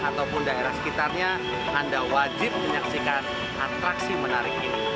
ataupun daerah sekitarnya anda wajib menyaksikan atraksi menarik ini